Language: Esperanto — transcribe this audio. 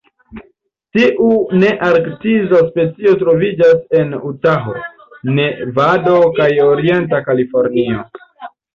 Tiu nearktisa specio troviĝas en Utaho, Nevado kaj orienta Kalifornio.